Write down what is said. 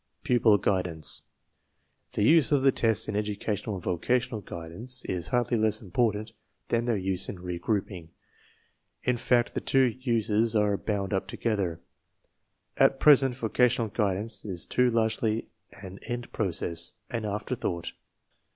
\y Pupil guidance. The use of the tests in educational /and vocational guidance is hardly less important than their use in re grouping. In fact, the two uses are bound up together. »At present vocational guidance is too largely an end process, an afterthought.